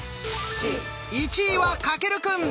１位は翔くん。